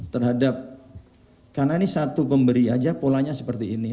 terhadap karena ini satu pemberi aja polanya seperti ini